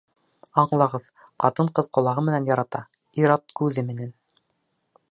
Аңлағыҙ: ҡатын-ҡыҙ ҡолағы менән ярата, ир-ат -күҙе менән.